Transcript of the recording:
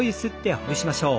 起こしましょう。